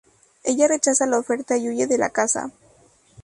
Ella rechaza la oferta y huye de la casa.